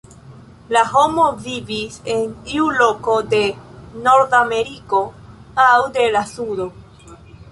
La homo vivis en iu loko de Nord-Ameriko aŭ de la Sudo.